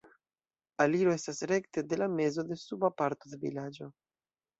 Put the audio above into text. Aliro estas rekte de la mezo de suba parto de vilaĝo.